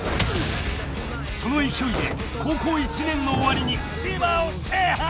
［その勢いで高校１年の終わりに千葉を制覇！］